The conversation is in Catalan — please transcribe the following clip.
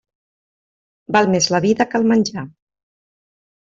Val més la vida que el menjar.